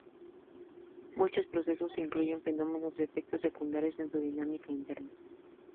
Muchos procesos incluyen fenómenos de efectos secundarios en su dinámica interna.